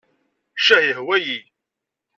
Ccah yehwa-yi.